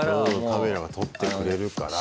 カメラが撮ってくれるから。